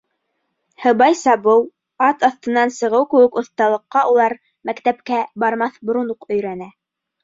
Һыбай сабыу, ат аҫтынан сығыу кеүек оҫталыҡҡа улар мәктәпкә бармаҫ борон уҡ өйрәнә.